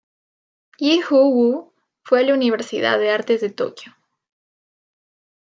Yi Ho-woo fue a la Universidad de Artes de Tokio.